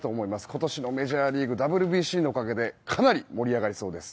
今年のメジャーリーグＷＢＣのおかげでかなり盛り上がりそうです。